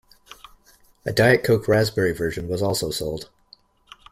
A Diet Coke Raspberry version was also sold.